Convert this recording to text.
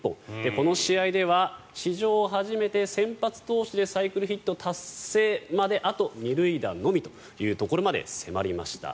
この試合では史上初めて先発投手でサイクルヒット達成まであと２塁打のみというところまで迫りました。